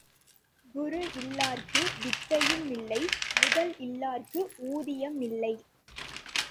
குரு இலார்க்கு வித்தையுமில்லை, முதல் இல்லார்க்கு ஊதியமில்லை.